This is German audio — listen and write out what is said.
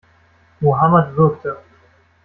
Mohammad würgte.